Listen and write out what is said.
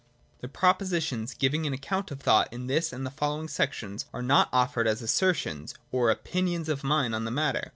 The propositions giving an account of thought in this and the following sections are not offered as assertions or opinions of mine on the matter.